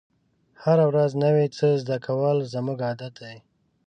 هره ورځ نوی څه زده کول زموږ عادت دی.